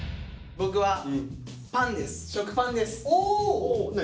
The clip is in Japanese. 僕はパンです。